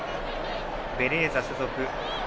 ベレーザ所属。